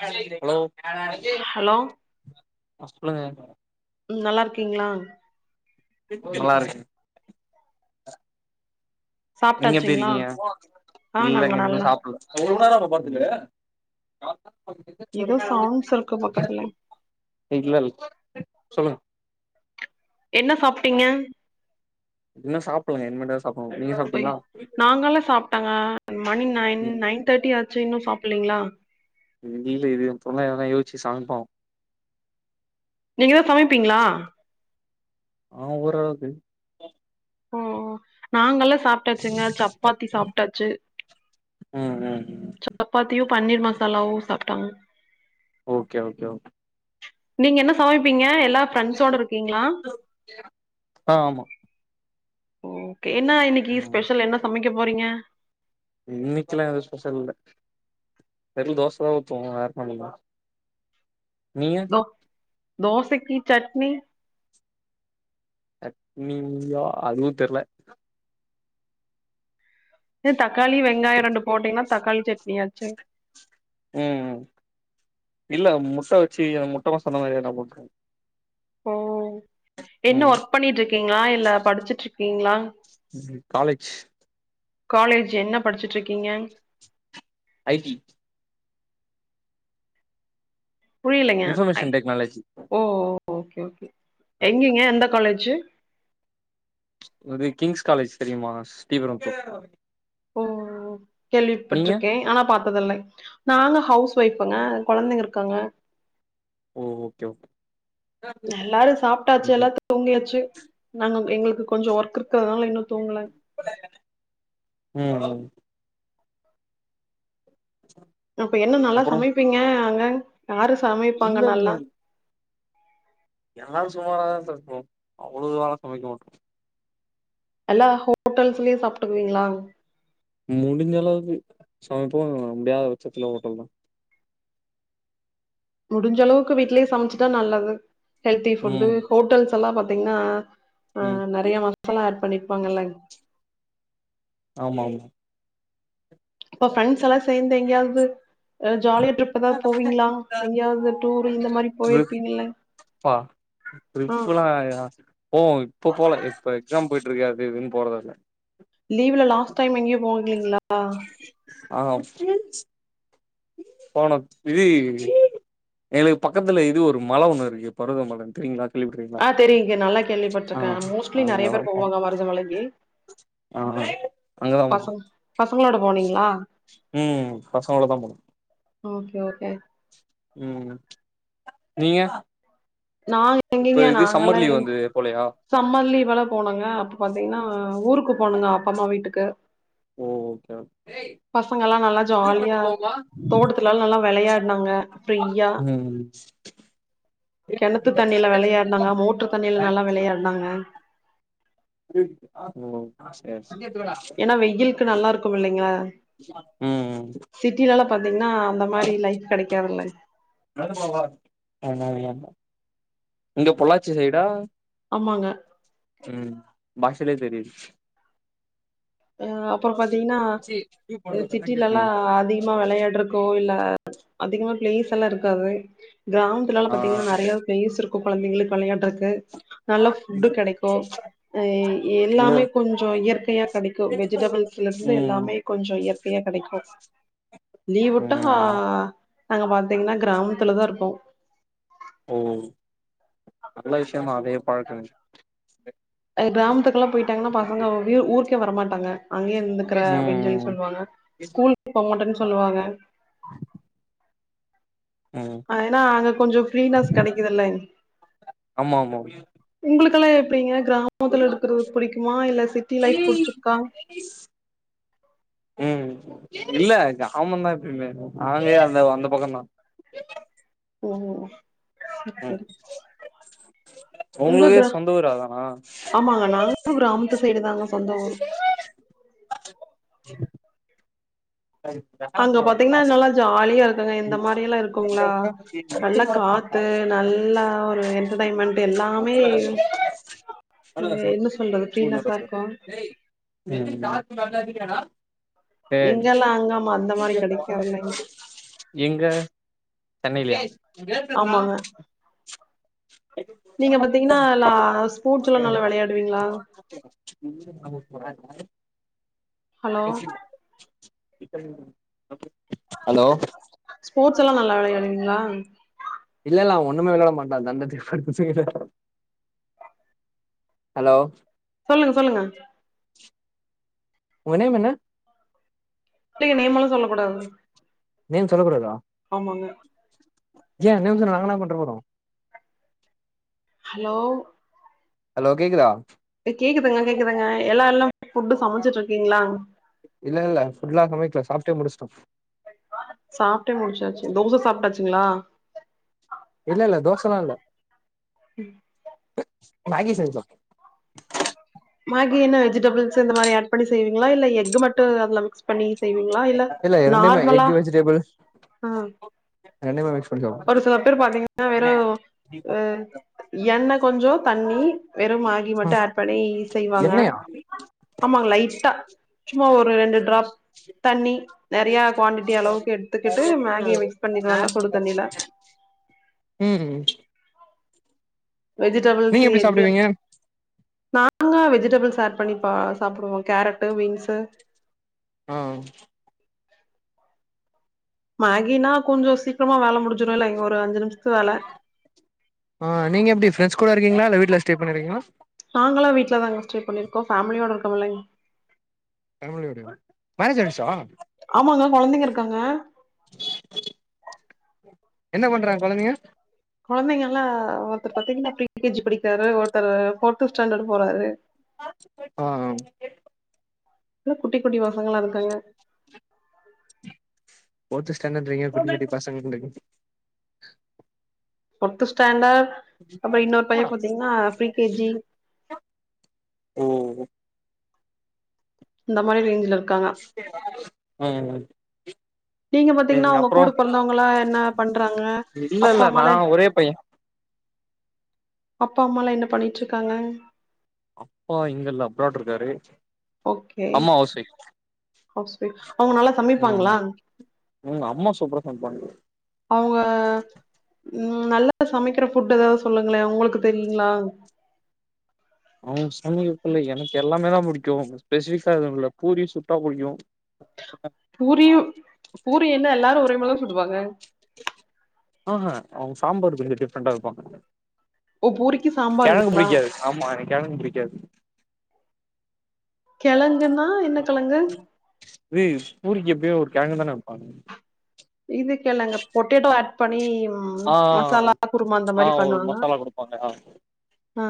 hello hello ஆ சொல்லுங்க ம் நல்லாருக்கீங்ளா நல்லாருக்கே நீங்க எப்டி சாப்ட்டாச்சுங்களா இருக்கீங்க ஆ நாங்க இல்லங்க இன்னு நல்லா சாப்புல்ல ஏதோ சவுண்ட்ஸ் இருக்கு பக்கத்துல இல்ல இல்ல சொல்லுங்க என்ன சாப்ட்டீங்க இன்னு சாப்புல்லங்க இனிமேட்டுதா சா பட்னு நீங்க சாப் நாங்களா சாப்டங்க மணி நைன் ம் நைன் தெர்ட்டி ஆச்சு இன்னு சாப்புல்லீங்ளா இல்ல இது இவ தொனையாதா யோஸ்ச்சு சமைப்போ நீங்கதா சமைப்பீங்ளா ஆ ஓர் அளவுக்கு ஓ நாங்கல்லா சாப்டாச்சுங்க சப்பாத்தி சாப்டாச்சு ம் ம் ம் சப்பாத்தியு பன்னீர் மசாலாவு சாப்டாங்க ஓகே ஓகே ஓகே நீங்க என்ன சமைப்பீங்க எல்லா பிரெண்ட்ஸோட இருக்கீங்ளா ஆ ஆமா ஓகே என்ன இன்னிக்கு ம் ஸ்பெஷல் என்ன சமைக்க போறீங்க இன்னிக்குலா எதுவு ஸ்பெஷல் இல்ல வெறு தோசதா உத்துவோ வேற என்னா பண்ணுவோ நீங்க தோ தோசைக்கு சட்னி சட்டினியா அதுவு தெர்ல து தக்காளி வெங்காயோ ரெண்டு போட்டீனா தக்காளி சட்னியாச்சு ம் இல்ல முட்ட வெச்சு முட்டமசாலா மாரி எத்னா போட்ருவாங் ஓ என்ன ஒர்க் பண்ணிட்ருக்கீங்ளா இல்ல படுச்சுட்ருக்கீங்ளா ம் காலேஜ் காலேஜ் என்ன படுச்சுட்ருக்கீங்க ஐ டி புரிலைங்க I information technology O okay okay எங்கேங்க எந்த காலேஜு ஒரு கிங்ஸ் காலேஜ் தெரியுமா ஸ்ரீவரம்புத் ஓ நீங்க கேள்விப்பட்ருக்கே ஆனா பாத் நாங்க ஹவுஸ் ஒஃபுங்க குழந்தைங்க இருக்காங்க ஓ ஓகே ஓகே எல்லாரு சாப்ட்டாச்சு ம் எல்லாத் தூங்கியாச்சு நாங்க எங்களுக்கு கொஞ்சோ ஒர்க் இருக்கிறதுனால இன்னு தூங்கல ம் அதனால வந்து [inaudible] அப்ப என்ன நல்லா அப்புறோ சமைப்பீங்க அங்க யாரு சமைப்பாங்க இல்ல இல்ல நல்லா எல்லாரு சுமாரராதா சமிப்போ அவுளோ இதுவாலா சமைக்க மாட்டோ எல்லா ஹோட்டல்ஸ்லே சாப்ட்டுக்குவீங்ளா முடிஞ்சளவுக்கு சமைப்போ முடியாத பச்சத்துல ஹோட்டல் தா முடிஞ்சளவுக்கு வீட்லே சமச்சுட்டா நல்லது ஹெல்தி ஃபுட்டு் ம் ஹோட்டல்ஸ் எல்லா பா தீங்னா ஆ ம் நெறைய மசாலா ஆட் பண்ணிர்பாங்கல ஆமாங்க இப்ப பிரெண்ட்ஸ் எல்லா சேந்து எங்யாவ்து அ ஜாலியா ட்ரிப் எதா போவீங்ளா எங்யாவ்து டூரு இந்த மாரி போயிர்ப்பீங்குள ட்ரிப்புலாயா போவோ இப்போ போல இப்ப எக்ஸாம் போய்ட்ருக்கு அது இதுன் போறதா இல்ல லீவ்ல லாஸ்ட் டைம் எங்கியு போகலீங்ளா ஆ போன இ எங்களுக்கு பக்கத்துல இது ஒரு மல ஒன்னு இருக்கு பருத மலன் தெரீங்ளா ஆ தெரிய்ங்க நல்லா கேள்விப்பட்ருக்க மோஸ்ட்லி நெறைய அங்கதா பேர் போனோ போவாங்க மருத மலைக்கி ஆ அங்கதா போனோ பசங் பசங்களோட போனீங்ளா ம் பசங்களுதா போன ஓகே ஓகே ம் நீங்க நா இப்ப எங்கெங்க இது சம்மர் நாங்கலா லீவ் வந்து போலையா சம்மர் லீவல போனோங்க அப்ப பாத்தீங்ன்னா ஊருக்கு போனுங்க அப்பம்மா வீட்டுக்கு ஓ ஓகே பசங்கலா நல்லா ஜாலியா தோட்டத்துல நல்லா வெளையாட்னாங்க ஃப்ரீயா ம் கெணத்து தண்ணில வெளையாடுனாங்க மோட்ரு தண்ணில நல்லா வெளையாடுனாங்க ம் சேர் சேர் ஏன்னா வெயிலுக்கு நல்லா இருக்கும் இல்லைங்களா ம் சிட்டிலலா பாத்தீங்ன்னா அந்த மாரி லைஃப் கெடைக்காதுல ஆமா ஒயாம நீங்க பொள்ளாச்சி சைடா ஆமாங்க ம் பாஷலே தெரிது அ அப்பறொ பாத்தீங்ன்னா அ சிட்டிலலா ம் அதி குமா வெளையாட்றகோ இல்ல அதிகுமா பிளேஸல்லா இருக்காது கிராம் திலால ஆ பாத்தீங்ன்னா நறையா பிளேஸ் இருக்கு கொழந்தைங்ளுக் விளையாட்றக்கு ம் நல்ல ஃபுட்டு கெடைக்கு எ எல்லாமே கொஞ்சோ இயற்கையா கெடை வெஜிடபுள்ஸ்ல இருந்து ம் எல்லாமே கொஞ்சோ இயற்கையா கெடைக்கு லீவுட்டா ம் ஆ நாங்க பாத்தீங்ன்னா கிராமத்துலதா இருப்போ ஓ நல்ல விஷ்யமா அதைய பழக்குறது அது கிராமத்துக்குலா போய்ட்டாங்கனா பசங்க அப்டியே ஊர்க்கே வரமாட்டாங்க அங்யே இருந்துக்கிற அப்டின் சொல்லி சொல்வாங்க ஏசி போ மாட்டேன் சொல்லுவாங்க ம் ஏன்னா அங்க கொஞ்சோ ஃப்ரீனஸ் கடைக்குதல்ல ஆமா ஆமா உங்களுக்கெல்லா எப்படிங்க கிராமத்துல இருக்கறது புடிக்குமா இல்ல சிட்டி லைஃப் புடிச்சிருக்கா [inaudible] ம் இல்ல கிராமம்தா எப்பயுமே நாங்கயே அந்த அந்த பக்கம்தா ஓ சரி சரி உங்க உங்களுக்கே கிரா சொந்த ஊரு அதானா ஆமாங்க நாங்க கிராமத்து சைடு தாங்க சொந்த ஊரு ஆ சரி தசா ப்ரோ காசு காலியா இருக்குங்க இந்த மாரில்லா இருக்குங்களா நல்லா காத்து நல்லா ஒரு என்டர்டைமண்ட் எல்லாமே அ என்ன சொல்றது ப்ரீனஸ்ஸா இருக்கு இங்கெல்லா அங்காமா அந்த மாரி கெடைக்காதுல்லைங்க [unintelligible] எங்க சென்னைலயா ஆமாங்க நீங்க பாத்தீங்கன்னா எல்லா ஸ்போர்ட்ஸ் எல்லா நல்லா விளையாடுவீங்களா ஹலோ [unintelligible] ஹலோ ஸ்போர்ட்ஸ் எல்லா நல்லா விளையாடுவீங்களா இல்ல இல்ல அவன் ஒண்ணுமே விளையாட மாட்டா தண்டத்துக்கு [inaudible] ஹலோ சொல்லுங்க சொல்லுங்க உங்க நேம் என்ன இங்க நேம் எல்லா சொல்லக் கூடாது நேம் சொல்லக் கூடாதா ஆமாங்க ஏன் நேம் சொன்னா நாங்களா பண்ற போறோ ஹலோ ஹலோ கேக்குதா கேக்குதுங்க கேக்குதுங்க எல்லா எல்லாமே ஃபுட்டு் சமச்சுட்டு இருக்கீங்ளா இல்ல இல்ல ஃபுட் எல்லா சமைக்கல சாப்ட்டே முடிச்ட்டோம் சாப்ட்டே முடிச்சாச்சு தோச சாப்டாச்சுங்ளா இல்ல இல்ல தோசலா இல்ல ம் மேகி செஞ்சோ மேகி என்ன வெஜிடபிள்ஸ் இந்த மாரி ஆட் பண்ணி செய்வீங்ளா இல்ல எக் மட்டு அதுல மிக்ஸ் பண்ணி செய்வீங்ளா இல்ல ரெண்டுமே நார்மலா எக் வெஜிடபிள் அ ரெண்டுமே மிக்ஸ் கொஞ்சோ ஒரு சில பேர் பாத்தீங்கன்னா வெறு எண்ணெய் கொஞ்சோ தண்ணி வெறு மேகி மட்டு ஆட் பண்ணி செய்வாங்க எண்ணெயா ஆமா லைட்டா சும்மா ஒரு ரெண்டு டிராப் தண்ணி நெறைய குவான்டிட்டி அளவுக்கு எடுத்துக்கிட்டு மேகிய மிக்ஸ் பண்ணிடுவாங்க சுடு தண்ணியில ம் ம் வெஜிடபிள்ஸ் நீங்க எப்டி எக் சாப்டுவீங்க நாங்க வெஜிடபிள்ஸ் ஆட் பண்ணி பா சாப்புடுவோ கேரட்டு பீன்ஸ்ஸு ஆ மேகினா கொஞ்சோ சீக்கிரமா வேல முடிஞ்சிருல்ல இங்க ஒரு அஞ்சு நிமிஷத்துக்கு வேல ஆ நீங்க எப்டி ஃப்ரெண்ட்ஸ் கூட இருக்கீங்களா இல்ல வீட்ல ஸ்டே பண்ணிருக்கீங்களா நாங்கல்லா வீட்ல தாங்க ஸ்டே பண்ணி இருக்கோ ஃபேமிலியோட இருக்கோம் இல்லைங் ஃபேமிலியோடயா மேரேஜ் ஆயிடுச்சா ஆமாங்க கொழந்தைங்க இருக்காங்க என்ன பண்றாங்க கொழந்தைங்க கொழந்தைங்கல்லா ஒருத்தர் பாத்தீங்கன்னா ஃபிரீ கேஜி படிக்குராரு ஒருத்தரு ஃபோர்த் ஸ்டாண்டர்ட் போறாரு ஆ ஆ ம் இப்ப குட்டி குட்டி பசங்களா இருக்காங்க ஃபோர்த் ஸ்டாண்டட்றிங்க குட்டி குட்டி பசங்கன்றிங்க ஃபோர்த்து ஸ்டாண்டர்ட் அப்புறோ இன்னொரு ஓ பைய பாத்தீங்கன்னா ப்ரீ கே ஜி ஓ இந்த மாரி ரேஞ்சில இருக்காங்க ம் ம் நீங்க பாத்தீங்கன்னா உங்க அப்றோ கூட பொறந்தவங்கள்லா என்ன பண்றாங்க இல்ல அப்பா இல்ல நா அம்மால எப் ஒரே பைய அப்பா அம்மாலா என்ன பண்ணிட்டு இருக்காங்க அப்பா இங்கல்ல அப்ராட் இருக்காரு ஓகே அம்மா ஹவுஸ் வைஃப் ஹவுஸ் வைஃப் அவுங்க நல்லா ம் சமைப்பாங்களா ம் அம்மா சூப்பரா சமைப்பாங்க அவுங்க ம் நல்லா சமைக்கிற ஃபுட் ஏதாது சொல்லுங்களே உங்களுக்கு தெரியுங்களா அவுங்க சமைக்கற ஃபுட்ல எனக்கு எல்லாமே தா புடிக்கு ஸ்பெசிபிக்கா எதுவு இல்ல பூரி சுட்டா புடிக்கு பூரியு பூரி என்ன எல்லாரு ஒரே மாரி தா சுடுவாங்க ஆ ஹா அவங்க சாம்பார் கொஞ்சோ டிஃபரண்டா வெப்பாங்க ஓ பூரிக்கு கெழக்கு சாம்பாருங்களா புடிக்காது ஆமா எனக்கு கெழங்கு புடிக்காது கெழங்குன்னா என்ன கெழங்கு இது பூரிக்கு எப்யு ஒரு கெழங்கு தானே வெப்பாங்கு இதுக்கெழங்கு பொட்டேட்டோ ஆட் பண்ணி ம் ஆ ஆ மசாலா குருமா அந்த அ மாரி ஒரு பண்ணுவாங்க மசாலா குடுப்பாங்க ஆ ஆ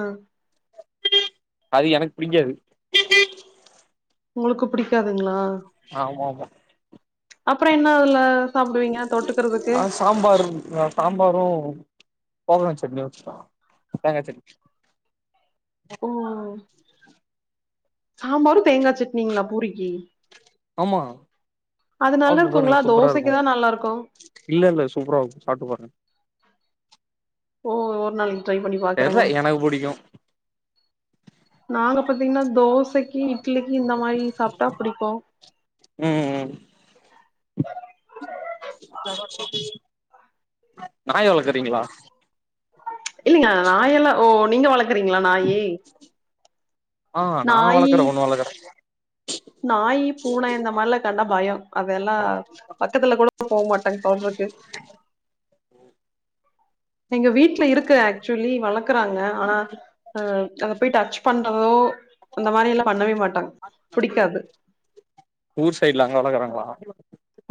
அது எனக்கு புடிக்காது உங்களுக்கு புடிக்காதுங்களா ஆமா ஆமா அப்புறோ என்ன அதுல சாப்புடுவீங்க தொட்டுக்கறதுக்கு சாம்பாரும் அ சாம்பாரு [unintelligible] சட்னியு வெச்சிப்பே தேங்கா சட்னி ஓ சாம்பாரு தேங்கா சட்னியுங்களா பூரிக்கி ஆமா அது நல்லா சாப்ட்டு பாருங்க இருக்குங்களா சூப்பரா இருக்கு தோசைக்குதா நல்லா இருக்கு இல்ல இல்ல சூப்பரா இருக்கு சப்புட்டு பாருங்க ஓ ஒரு நாளைக்கு ட்ரை பண்ணி பாக்குறேங்க தெர்ல எனக்கு புடிக்கு நாங்க பாத்தீங்கன்னா தோசைக்கு இட்லிக்கு இந்த மாரி சாப்டா புடிக்கு ம் ம் நாய் வளக்கறீங்களா இல்லைங்க நாயெல்லா ஓ நீங்க வளக்குறீங்களா நாயி ஆ நா நாயி வளக்கற ஒன்னு வளக்கற நாயி பூன இந்த மாரில கண்டா பயோ அதெல்லா பக்கத்துல கூடோ போ மாட்டேங் தொட்றக்கு எங்க வீட்ல இருக்கு ஆக்சுவலி வளர்க்குறாங்க ஆனா அ அங்க போய்ட் டச் பண்றதோ அந்த மாரி எல்லா பண்ணவே மாட்டாங்க புடிக்காது ஊர் சைட்ல அங்க வளக்கறாங்ளா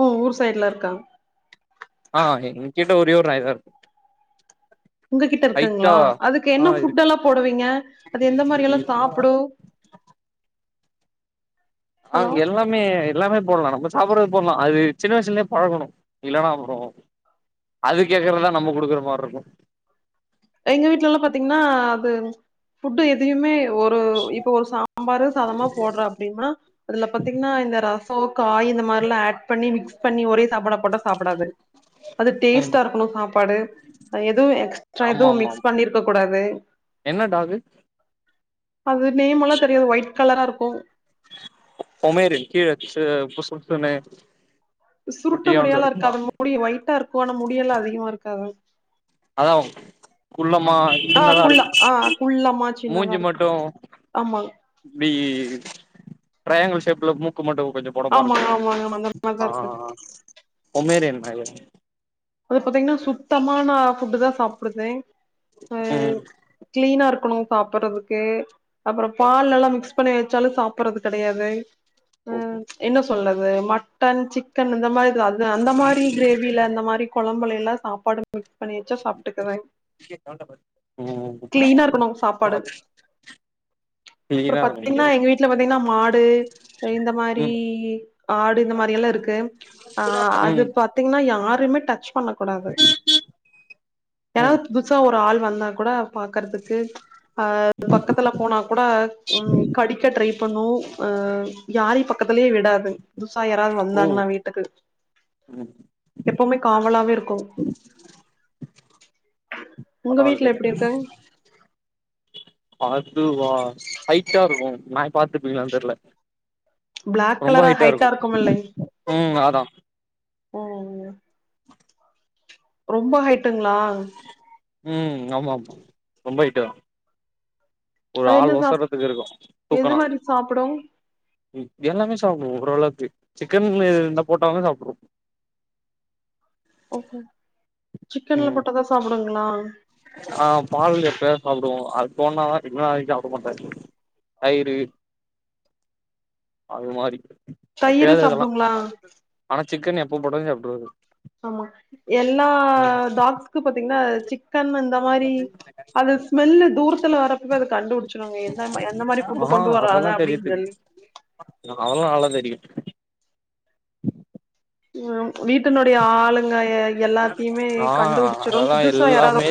உ ஊரு சைட்லருக்காங் ஆ எங்கிட்ட ஒரேயொரு நாய்தாருக்கு உங்ககிட்ட ஹைட்டா இருக்குங்ளா அதுக்கு ஆ என்ன இருக்கு ஃபுட்டல்லா போடுவீங்க அது எந்த மாரியெல்லா சாப்புடு அங் ஹலோ எல்லா மே எல்லாமே போடலா நம்ப சாப்பிறத் போட்லா அது சின்ன வயசுலே பழகணு இல்லனா அப்புறோ அது கேக்குறதா நம்ம குடுக்குற மார்ருக்கு எங்க வீட்டெல்லா பாத்தீங்ன்னா அது ஃபுட்டு எதையுமே ஒரு இப்ப ஒரு சா ம்பாரு சாதமா போட்ற அப்டீனா அதுல பாத்தீங்ன்னா இந்த ரசோ காய் இந்த மாரில்லா ஆட் பண்ணி மிக்ஸ் பண்ணி ஒரே சாப்பிட போட்ட சாப்பிடாது அது ம் டேஸ்ட்டா இருக்கணு சாப்பாடு அ எதுவு எக்ஸ்ட்ரா ஆமா எதுவு ஆமா ஆமா மிக்ஸ் பண்ணிருக்க கூடாது என்ன டாகு அது நேம் மல்லா தெரியாது ஒயிட் கலராருக்கு பொமேரியன் கீழ அ புசு புசுன்னு சுருட்ட குட்டியாண்டு முடியாலா இருக்குமா இருக்காது முடி ஒயிட்டாருக்கு ஆனா முடியெல்லா அதிகமாருக்காது அதா குள்ளமா ஆ குள்ளா சின்னதாருக் ஆ குள்ளமா சின்னதா மூஞ்சி இருக்கு மட்டு ஆமாங் இப்டி ட்ரையாங்கள் ஷேப்ல மூக்கு மட்டு கொஞ்சு பொடப்பாருக்கு ஆமாங்க ஆமாங்க அந்த மாரிதா ஆ ஆ இருக்கு ஆ ஆ பொமேரியன் நாய் இல்ல அது பாத்தீங்ன்னா சுத்தமான ஃபுட்டு தா சாப்பிடுதே ம் க்ளீனாருக்கணு சாப்பட்றதுக்கே அப்பற பால் நல்லா மிக்ஸ் பண்ணி வெச்சாலு சாப்பறது கெடயாது ஓகே என்ன சொல்றது மட்டன் சிக்கன் அந்த மாரிதா அது அந்த மாரி கிரேவில அந்த மாரி கொழம்பல எல்லா சாப்பாடு மிக்ஸ் பண்ணி வெச்சா சாப்ட்டுக்குதுங் ம் இருக்கணு சாப்பாடு ம் [unintelligible] வர முடிமா ஏனா எங்க வீட்ல பாத்தீங்னா மாடு அ இந்த மாரி ம் ஆடு இந்த மாரியெல்லா இருக் கு ஆ அது ம் பாத்தீங்கின்னா யாருமே டச் பண்ண கூடாது ம் யாராவ்த் புத்சா ஒரு ஆள் வந்தா கூட பாக்கறதுக்கு அ பக்கத்துல போனா கூட ம் கடிக்க ட்ரை பண்ணு அ யாரயு பக்கத்துலே விடாதுங் புதுசா யாராவ்த் ஓ வந்தாங்கன்னா வீட்டுக்கு ம் எப்பவுமே காவலாவேருக்கு உங்க வீட்ல எப்படி இருக்குங் அ அதுவா ஹைட்டாருக்கு நாய் பாத்துர்பீங்களான் தெர்ல பிளாக் ரொம்ப கலரா ஹைட்டா ஹைட்டாருக்கு இருக்குமில்லை ம் அதா ம் ரொம்ப ஹைட்டுங்ளாங் ம் ஆமா ஆமா ரொம்ப ஹைட்டுதா ஒரு அது ஆள் என்ன சாப் ஒசறதுக்கு இருக்கு எது தூக்குனா மாரி சாப்டு ம் எல்லாமே சாப்பிடு ஓரளவ்க்கு சிக்கன்ல எதிருந்தா போட்டாலு சாப்ட்ரு ஓஹோ சிக்கன்ல ம் போட்ட தா சாப்புடுங்ளா ஆ பால் எப்பயா சாப்டு அது தோன்னாதா [unintelligible] மாட்ட தய்ரு அது மாரி தயிரு எப்பயாது அதெல்லா சாப்டுங்களா அனா சிக்கன் எப்ப போட்டாலு சாப்ட்ருவார் ஆமா எல்லா டாக்கு பத்தீங்னா சிக்கன் அந்த மாரி அது ஸ்மெல்லு தூரத்துல வரப்பரு கண்டுபிடிச்சுவாருங்க எந்த மா எந்த மாரி ஃபுட்டு கொண்டு வர்றாக அப்டின் சொல்லி அதல்லா நல்லா தெரியு ம் வீட்டினுடைய ஆளுங்க எ எல்லாத்தையுமே ஆ கண்டுபுடிச்சுரு அதெல்லா புதுசா யாராவ எல்லாமே